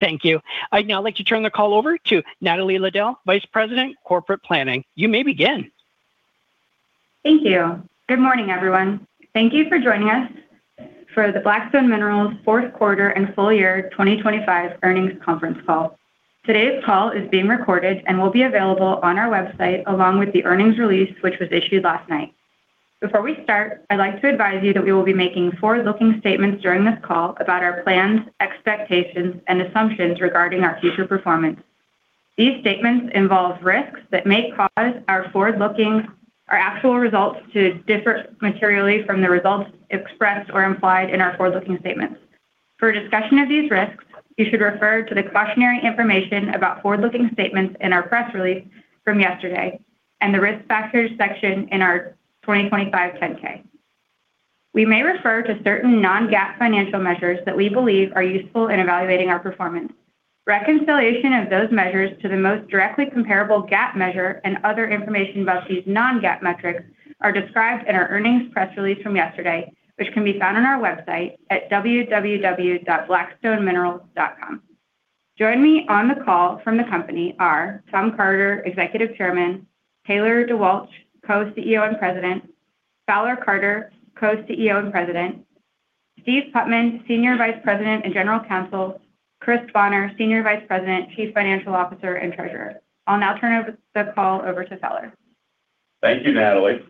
Thank you. I'd now like to turn the call over to Natalie Liddell, Vice President, Corporate Planning. You may begin. Thank you. Good morning, everyone. Thank you for joining us for the Black Stone Minerals Q4 and full year 2025 earnings conference call. Today's call is being recorded and will be available on our website, along with the earnings release, which was issued last night. Before we start, I'd like to advise you that we will be making forward-looking statements during this call about our plans, expectations, and assumptions regarding our future performance. These statements involve risks that may cause our forward-looking or actual results to differ materially from the results expressed or implied in our forward-looking statements. For a discussion of these risks, you should refer to the cautionary information about forward-looking statements in our press release from yesterday and the Risk Factors section in our 2025 10-K. We may refer to certain non-GAAP financial measures that we believe are useful in evaluating our performance. Reconciliation of those measures to the most directly comparable GAAP measure and other information about these non-GAAP metrics are described in our earnings press release from yesterday, which can be found on our website at www.blackstoneminerals.com. Joining me on the call from the company are Tom Carter, Executive Chairman, Taylor DeWalch, Co-CEO and President, Fowler Carter, Co-CEO and President, Steve Putman, Senior Vice President and General Counsel, Chris Bonner, Senior Vice President, Chief Financial Officer, and Treasurer. I'll now turn over the call over to Fowler. Thank you, Natalie.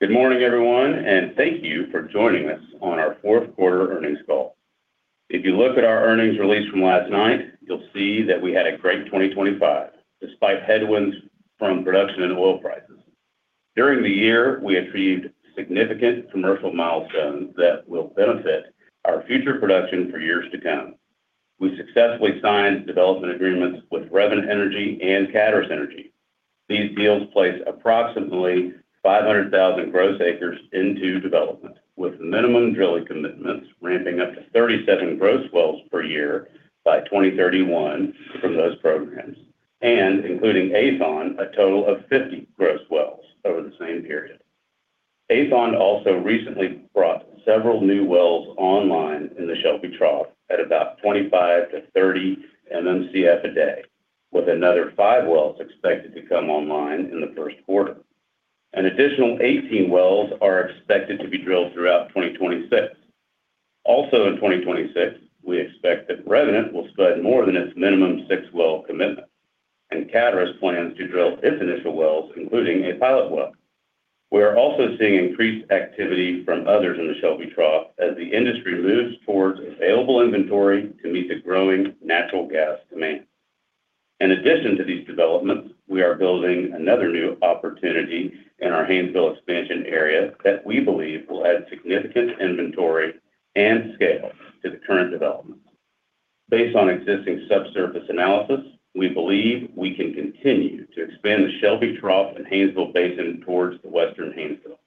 Good morning, everyone, thank you for joining us on our Q4 earnings call. If you look at our earnings release from last night, you'll see that we had a great 2025, despite headwinds from production and oil prices. During the year, we achieved significant commercial milestones that will benefit our future production for years to come. We successfully signed development agreements with Revenant Energy and Katouris Energy. These deals place approximately 500,000 gross acres into development, with minimum drilling commitments ramping up to 37 gross wells per year by 2031 from those programs, and including Aethon, a total of 50 gross wells over the same period. Aethon also recently brought several new wells online in the Shelby Trough at about 25MMcf-30 MMcf a day, with another five wells expected to come online in the Q1. An additional 18 wells are expected to be drilled throughout 2026. Also in 2026, we expect that Revenant will spud more than its minimum six-well commitment, and Caturus plans to drill its initial wells, including a pilot well. We are also seeing increased activity from others in the Shelby Trough as the industry moves towards available inventory to meet the growing natural gas demand. In addition to these developments, we are building another new opportunity in our Haynesville expansion area that we believe will add significant inventory and scale to the current developments. Based on existing subsurface analysis, we believe we can continue to expand the Shelby Trough and Haynesville Basin towards the Western Haynesville.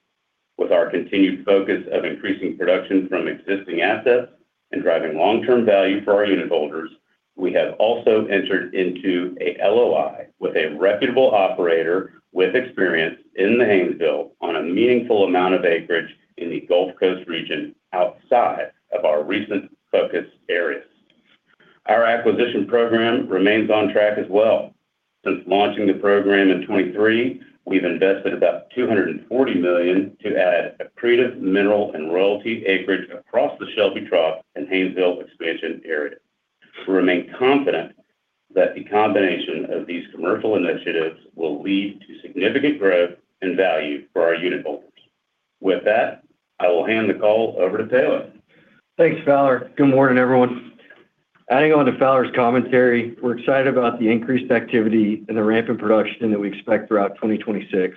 With our continued focus of increasing production from existing assets and driving long-term value for our unitholders, we have also entered into a LOI with a reputable operator with experience in the Haynesville on a meaningful amount of acreage in the Gulf Coast region outside of our recent focus areas. Our acquisition program remains on track as well. Since launching the program in 2023, we've invested about $240 million to add accretive mineral and royalty acreage across the Shelby Trough and Haynesville expansion area. We remain confident that the combination of these commercial initiatives will lead to significant growth and value for our unitholders. With that, I will hand the call over to Taylor. Thanks, Fowler. Good morning, everyone. Adding on to Fowler's commentary, we're excited about the increased activity and the ramp in production that we expect throughout 2026.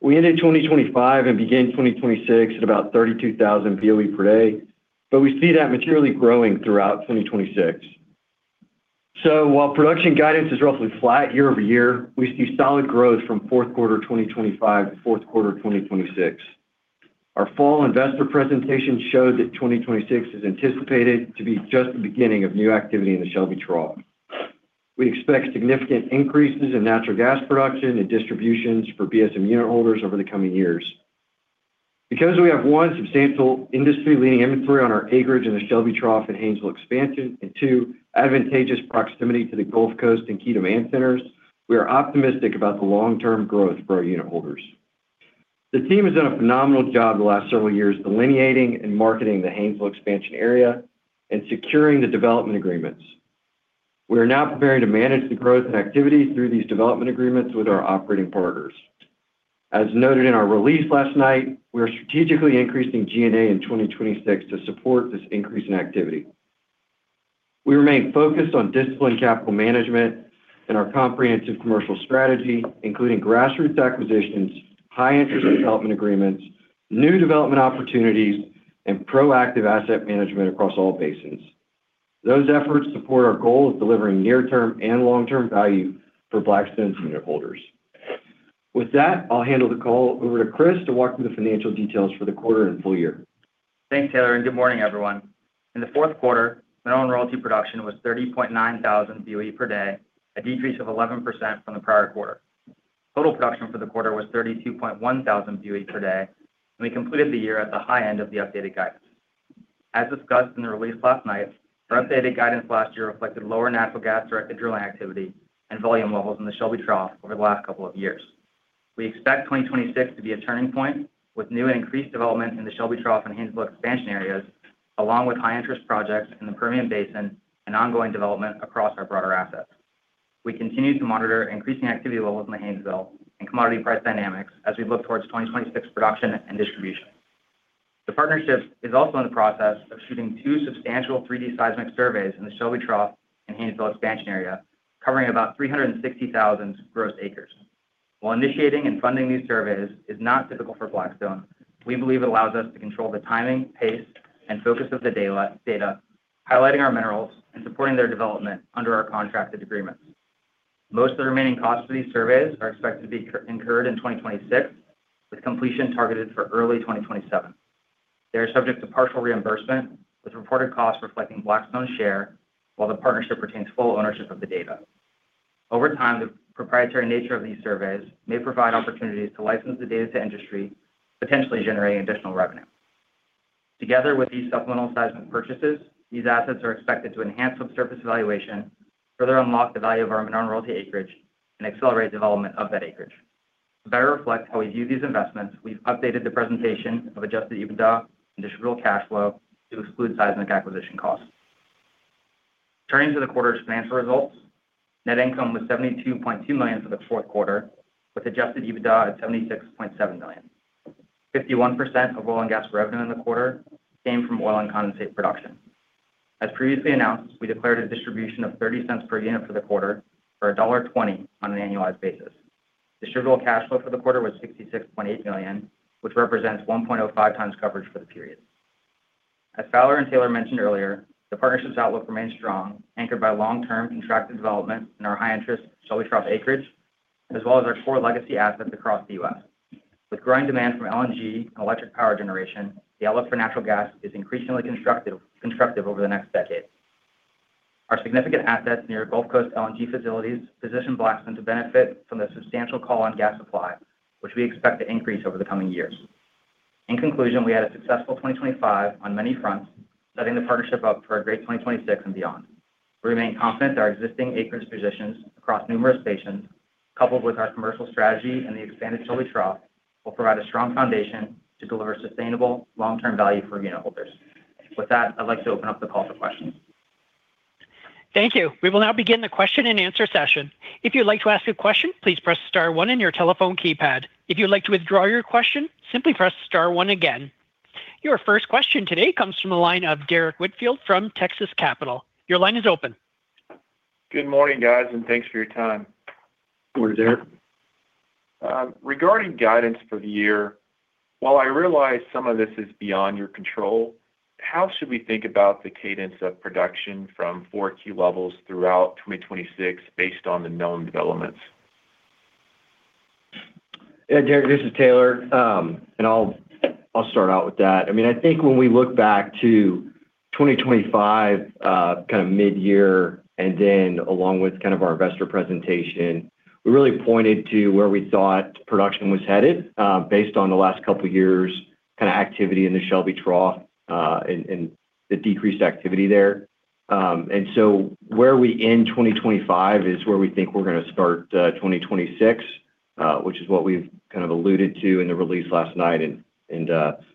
We ended 2025 and began 2026 at about 32,000 BOE per day. We see that materially growing throughout 2026. While production guidance is roughly flat year-over-year, we see solid growth from Q4 2025-Q4 2026. Our fall investor presentation showed that 2026 is anticipated to be just the beginning of new activity in the Shelby Trough. We expect significant increases in natural gas production and distributions for BSM unitholders over the coming years. We have, one, substantial industry-leading inventory on our acreage in the Shelby Trough and Haynesville expansion, and two, advantageous proximity to the Gulf Coast and key demand centers, we are optimistic about the long-term growth for our unitholders. The team has done a phenomenal job the last several years delineating and marketing the Haynesville expansion area and securing the development agreements. We are now preparing to manage the growth and activity through these development agreements with our operating partners. As noted in our release last night, we are strategically increasing G&A in 2026 to support this increase in activity. We remain focused on disciplined capital management and our comprehensive commercial strategy, including grassroots acquisitions, high-interest development agreements, new development opportunities, and proactive asset management across all basins. Those efforts support our goal of delivering near-term and long-term value for Black Stone Minerals' unitholders. With that, I'll hand over the call over to Chris to walk through the financial details for the quarter and full year. Thanks, Taylor. Good morning, everyone. In the Q4, mineral and royalty production was 30900 BOE per day, a decrease of 11% from the prior quarter. Total production for the quarter was 32100 BOE per day. We completed the year at the high end of the updated guidance. As discussed in the release last night, our updated guidance last year reflected lower natural gas-directed drilling activity and volume levels in the Shelby Trough over the last couple of years. We expect 2026 to be a turning point, with new and increased development in the Shelby Trough and Haynesville expansion areas, along with high-interest projects in the Permian Basin and ongoing development across our broader assets. We continue to monitor increasing activity levels in the Haynesville and commodity price dynamics as we look towards 2026 production and distribution. The partnership is also in the process of shooting two substantial 3D seismic surveys in the Shelby Trough and Haynesville expansion area, covering about 360,000 gross acres. While initiating and funding these surveys is not typical for Black Stone Minerals, we believe it allows us to control the timing, pace, and focus of the data, highlighting our minerals and supporting their development under our contracted agreements. Most of the remaining costs for these surveys are expected to be incurred in 2026, with completion targeted for early 2027. They are subject to partial reimbursement, with reported costs reflecting Black Stone Minerals' share, while the partnership retains full ownership of the data. Over time, the proprietary nature of these surveys may provide opportunities to license the data to industry, potentially generating additional revenue. Together with these supplemental seismic purchases, these assets are expected to enhance subsurface evaluation, further unlock the value of our mineral royalty acreage, and accelerate development of that acreage. To better reflect how we view these investments, we've updated the presentation of adjusted EBITDA and distributable cash flow to exclude seismic acquisition costs. Turning to the quarter's financial results, net income was $72.2 million for the Q4, with adjusted EBITDA at $76.7 million. 51% of oil and gas revenue in the quarter came from oil and condensate production. As previously announced, we declared a distribution of $0.30 per unit for the quarter, or $1.20 on an annualized basis. Distributable cash flow for the quarter was $66.8 million, which represents 1.05x coverage for the period. As Fowler and Taylor mentioned earlier, the partnership's outlook remains strong, anchored by long-term contracted development in our high-interest Shelby Trough acreage, as well as our core legacy assets across the U.S. With growing demand from LNG and electric power generation, the outlook for natural gas is increasingly constructive over the next decade. Our significant assets near Gulf Coast LNG facilities position Blackstone to benefit from the substantial call on gas supply, which we expect to increase over the coming years. In conclusion, we had a successful 2025 on many fronts, setting the partnership up for a great 2026 and beyond. We remain confident that our existing acreage positions across numerous basins, coupled with our commercial strategy and the expanded Shelby Trough, will provide a strong foundation to deliver sustainable long-term value for unitholders. With that, I'd like to open up the call for questions. Thank you. We will now begin the question-and-answer session. If you'd like to ask a question, please press star one on your telephone keypad. If you'd like to withdraw your question, simply press star one again. Your first question today comes from the line of Derrick Whitfield from Texas Capital. Your line is open. Good morning, guys, and thanks for your time. Morning, Derrick. Regarding guidance for the year, while I realize some of this is beyond your control, how should we think about the cadence of production from four key levels throughout 2026 based on the known developments? Derrick, this is Taylor, I'll start out with that. I mean, I think when we look back to 2025, kind of midyear along with kind of our investor presentation, we really pointed to where we thought production was headed, based on the last couple of years' kind of activity in the Shelby Trough and the decreased activity there. Where we end 2025 is where we think we're going to start 2026, which is what we've kind of alluded to in the release last night and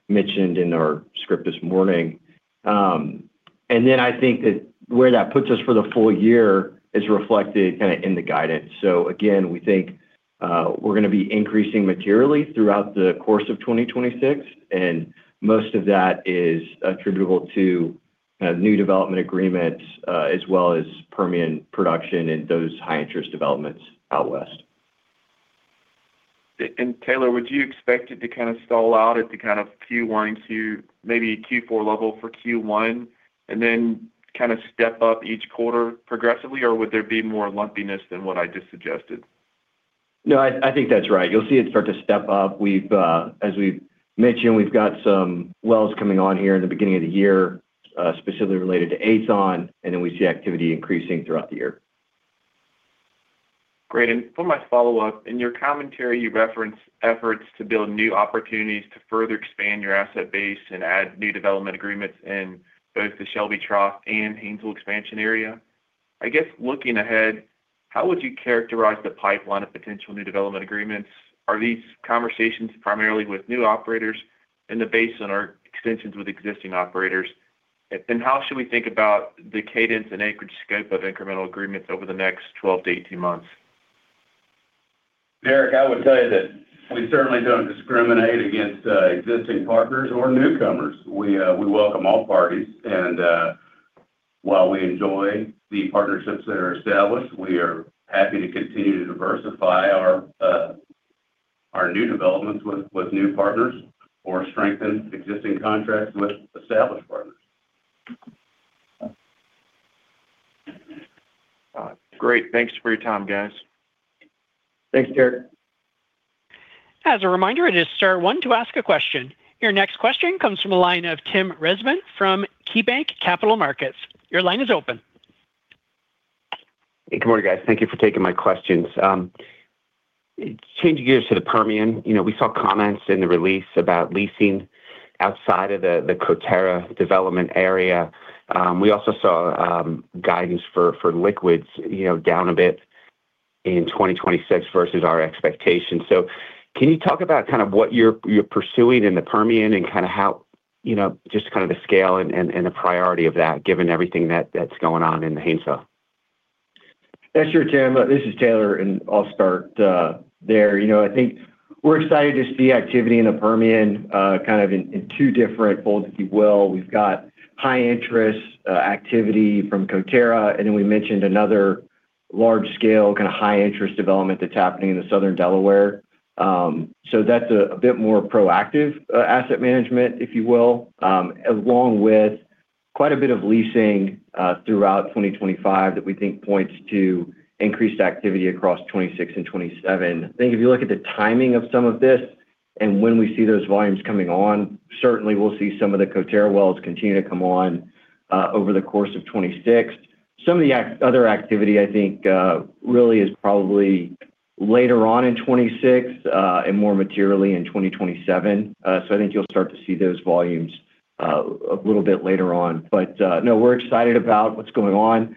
mentioned in our script this morning. I think that where that puts us for the full year is reflected kinda in the guidance. Again, we think, we're gonna be increasing materially throughout the course of 2026, and most of that is attributable to new development agreements, as well as Permian production and those high-interest developments out west. Taylor, would you expect it to kind of stall out at the kind of Q1 to maybe Q4 level for Q1, and then kind of step up each quarter progressively? Or would there be more lumpiness than what I just suggested? No, I think that's right. You'll see it start to step up. As we've mentioned, we've got some wells coming on here in the beginning of the year, specifically related to Aethon. Then we see activity increasing throughout the year. Great, for my follow-up, in your commentary, you referenced efforts to build new opportunities to further expand your asset base and add new development agreements in both the Shelby Trough and Haynesville expansion area. I guess, looking ahead, how would you characterize the pipeline of potential new development agreements? Are these conversations primarily with new operators in the basin or extensions with existing operators? How should we think about the cadence and acreage scope of incremental agreements over the next 12 months-18 months? Derrick, I would tell you that we certainly don't discriminate against existing partners or newcomers. We welcome all parties, and while we enjoy the partnerships that are established, we are happy to continue to diversify our new developments with new partners or strengthen existing contracts with established partners. Great. Thanks for your time, guys. Thanks, Derek. As a reminder, it is star one to ask a question. Your next question comes from a line of Tim Rezvan from KeyBanc Capital Markets. Your line is open. Hey, good morning, guys. Thank you for taking my questions. changing gears to the Permian, you know, we saw comments in the release about leasing outside of the Coterra development area. we also saw guidance for liquids, you know, down a bit in 2026 versus our expectations. Can you talk about kind of what you're pursuing in the Permian and kinda how, you know, just kind of the scale and the priority of that, given everything that's going on in the Haynesville? That's sure, Tim. This is Taylor, I'll start there. You know, I think we're excited to see activity in the Permian, kind of in two different folds, if you will. We've got high interest activity from Coterra, then we mentioned another large scale, kinda high interest development that's happening in the Southern Delaware. That's a bit more proactive asset management, if you will, along with quite a bit of leasing throughout 2025 that we think points to increased activity across 2026 and 2027. I think if you look at the timing of some of this and when we see those volumes coming on, certainly we'll see some of the Coterra wells continue to come on over the course of 2026. Some of the other activity, I think really is probably later on in 2026 and more materially in 2027. I think you'll start to see those volumes a little bit later on. No, we're excited about what's going on.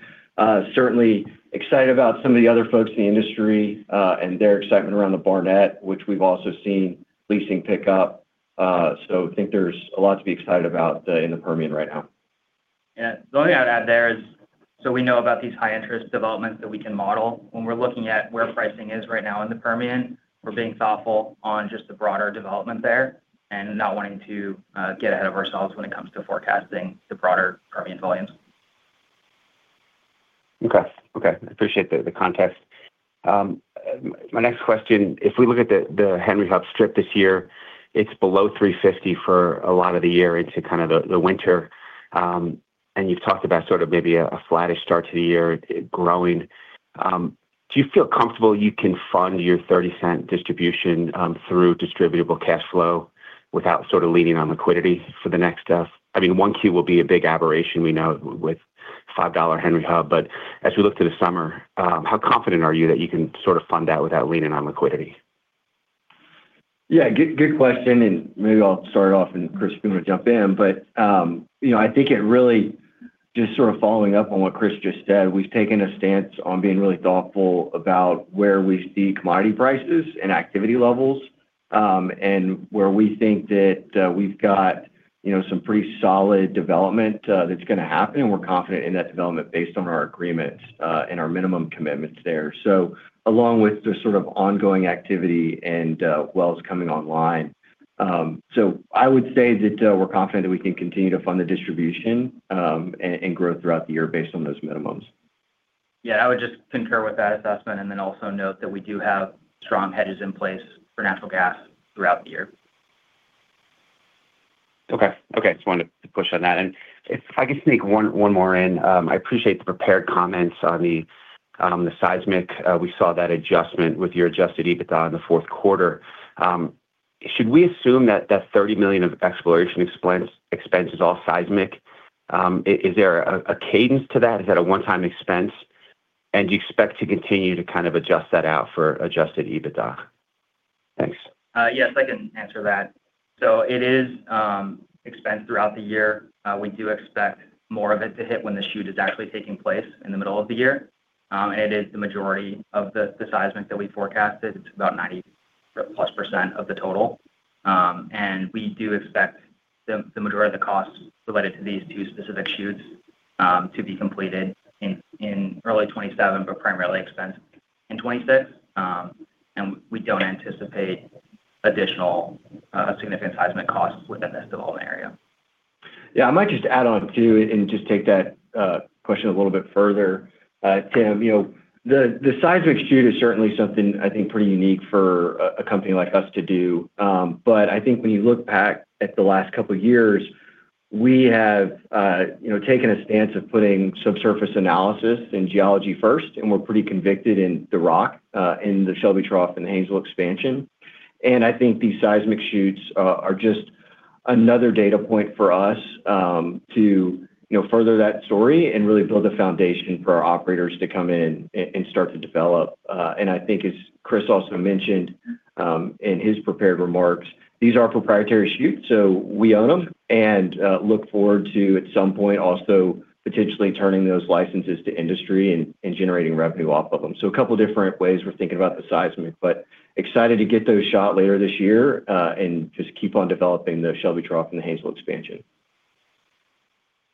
Certainly excited about some of the other folks in the industry and their excitement around the Barnett, which we've also seen leasing pick up. I think there's a lot to be excited about in the Permian right now. Yeah. The only thing I'd add there is, so we know about these high interest developments that we can model. When we're looking at where pricing is right now in the Permian, we're being thoughtful on just the broader development there and not wanting to get ahead of ourselves when it comes to forecasting the broader Permian volumes. Okay. Okay, I appreciate the context. My next question, if we look at the Henry Hub strip this year, it's below $3.50 for a lot of the year into kind of the winter. You've talked about sort of maybe a flattish start to the year growing. Do you feel comfortable you can fund your $0.30 distribution through distributable cash flow without sort of leaning on liquidity for the next... I mean, Q1 will be a big aberration, we know, with $5 Henry Hub. As we look to the summer, how confident are you that you can sort of fund that without leaning on liquidity? Yeah, good question, and maybe I'll start off and, Chris, you want to jump in. You know, I think it really just sort of following up on what Chris just said, we've taken a stance on being really thoughtful about where we see commodity prices and activity levels, and where we think that, we've got, you know, some pretty solid development, that's gonna happen, and we're confident in that development based on our agreements, and our minimum commitments there, along with the sort of ongoing activity and, wells coming online. I would say that, we're confident that we can continue to fund the distribution, and grow throughout the year based on those minimums. I would just concur with that assessment and then also note that we do have strong hedges in place for natural gas throughout the year. Okay. Okay, just wanted to push on that. If I can sneak one more in, I appreciate the prepared comments on the seismic. We saw that adjustment with your adjusted EBITDA in the Q4. Should we assume that that $30 million of exploration expense is all seismic? Is there a cadence to that? Is that a one-time expense? Do you expect to continue to kind of adjust that out for adjusted EBITDA? Thanks. Yes, I can answer that. It is expense throughout the year. We do expect more of it to hit when the shoot is actually taking place in the middle of the year. It is the majority of the seismic that we forecasted. It's about 90%+ of the total. We do expect the majority of the costs related to these two specific shoots to be completed in early 2027, but primarily expense in 2026. We don't anticipate additional significant seismic costs within this development area. I might just add on, too, and just take that question a little bit further. Tim, you know, the seismic shoot is certainly something I think pretty unique for a company like us to do. I think when you look back at the last couple of years, we have, you know, taken a stance of putting subsurface analysis and geology first, and we're pretty convicted in the rock in the Shelby Trough and the Haynesville expansion. I think these seismic shoots are just another data point for us to, you know, further that story and really build a foundation for our operators to come in and start to develop. I think as Chris also mentioned, in his prepared remarks, these are proprietary shoots, so we own them and look forward to, at some point, also potentially turning those licenses to industry and generating revenue off of them. A couple different ways we're thinking about the seismic, but excited to get those shot later this year, and just keep on developing the Shelby Trough and the Haynesville expansion.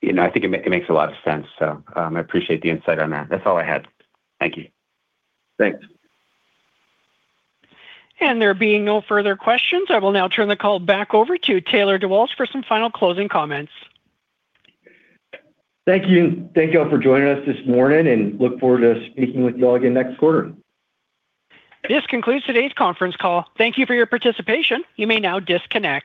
Yeah, I think it makes a lot of sense, so I appreciate the insight on that. That's all I had. Thank you. Thanks. There being no further questions, I will now turn the call back over to Taylor DeWalch for some final closing comments. Thank you, and thank you all for joining us this morning, and look forward to speaking with you all again next quarter. This concludes today's conference call. Thank you for your participation. You may now disconnect.